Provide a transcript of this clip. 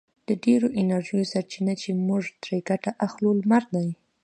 د ډېرو انرژیو سرچینه چې موږ ترې ګټه اخلو لمر دی.